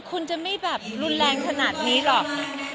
คุณจะไม่แบบรุนแรงขนาดนี้หรอก